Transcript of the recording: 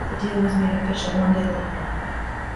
The deal was made official one day later.